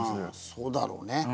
そうだろうね。